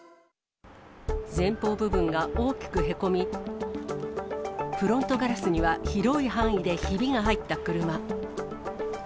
前方部分が大きくへこみ、フロントガラスには広い範囲でひびが入った車。